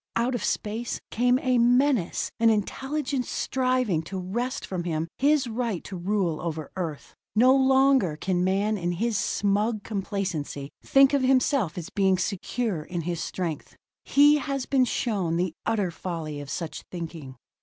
Out of space came a menace, an intelligence striving to wrest from him his right to rule over Earth. No longer can man in his smug complacency think of himself as being secure in his strength. He has been shown the utter folly of such thinking.